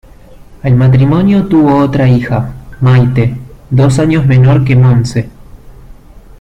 El matrimonio tuvo otra hija, Maite, dos años menor que Montse.